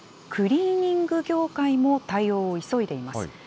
クリーニング業界も対応を急いでいます。